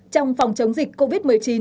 trong phòng chống dịch covid một mươi chín